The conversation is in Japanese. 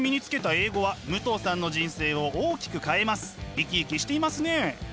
生き生きしていますね。